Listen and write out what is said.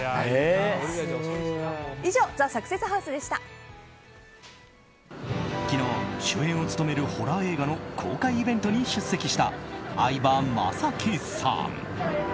以上昨日、主演を務めるホラー映画の公開イベントに出席した相葉雅紀さん。